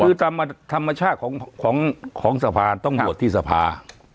คือธรรมชาติของสภาวะต้องหวัดที่สภา